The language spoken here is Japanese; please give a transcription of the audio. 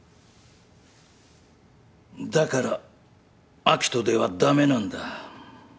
だから明人では駄目なんだ。